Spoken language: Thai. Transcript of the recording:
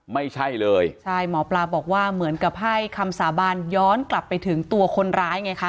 ไม่ใช่เลยใช่หมอปลาบอกว่าเหมือนกับให้คำสาบานย้อนกลับไปถึงตัวคนร้ายไงคะ